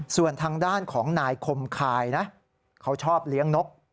ส่วนทางด้านของนายคมคายนะเขาชอบเลี้ยงนก